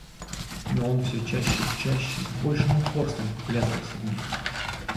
Но он всё чаще и чаще, и с большим упорством вглядывался в нее.